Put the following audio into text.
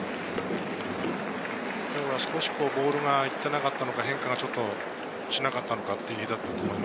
今日は少しボールが行っていなかったのか、変化しなかったのか。